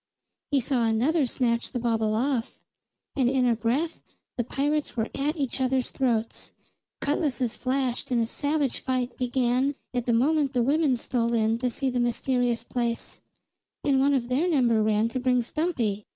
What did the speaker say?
He saw another snatch the bauble off; and in a breath the pirates were at each other's throats; cutlases flashed and a savage fight began at the moment the women stole in to see the mysterious place, and one of their number ran to bring Stumpy.